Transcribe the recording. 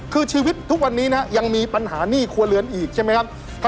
คือชีวิตทุกวันนี้นะยังมีปัญหาหนี้ครัวเรือนอีกใช่ไหมครับ